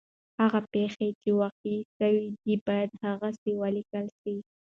هغه پېښې چي واقع سوي دي باید هغسي ولیکل سي.